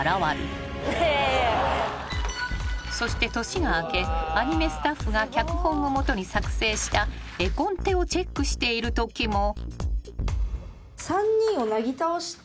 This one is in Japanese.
［そして年が明けアニメスタッフが脚本を基に作成した絵コンテをチェックしているときも］